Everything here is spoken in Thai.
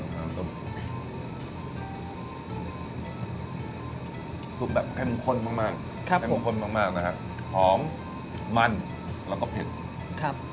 น้ำซุปแบบเข้มข้นมากมากครับเข้มข้นมากมากนะฮะหอมมันแล้วก็เผ็ดครับ